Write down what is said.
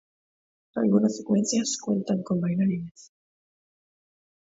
Algunas secuencias cuentan con bailarines.